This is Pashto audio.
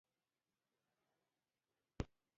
د بيسکويټو او ژاولو په کاروبار کې د مورګان برياليتوب و.